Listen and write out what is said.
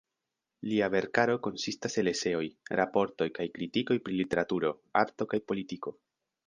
Lia verkaro konsistas el eseoj, raportoj kaj kritikoj pri literaturo, arto kaj politiko.